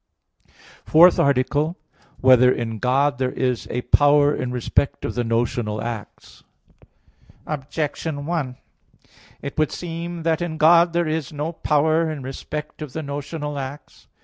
_______________________ FOURTH ARTICLE [I, Q. 41, Art. 4] Whether in God There Is a Power in Respect of the Notional Acts? Objection 1: It would seem that in God there is no power in respect of the notional acts.